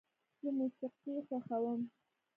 زه موسیقي خوښوم.